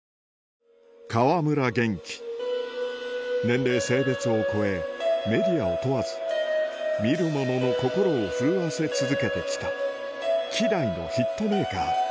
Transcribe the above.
年齢性別を超えメディアを問わず見る者の心を震わせ続けて来た希代のヒットメーカー